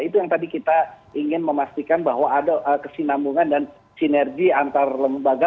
itu yang tadi kita ingin memastikan bahwa ada kesinambungan dan sinergi antar lembaga